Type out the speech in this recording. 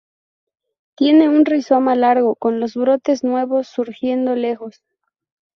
Tiene un rizoma largo, con los brotes nuevos surgiendo lejos.